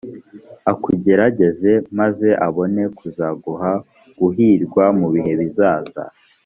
akugerageze, maze abone kuzaguha guhirwa mu bihe bizaza.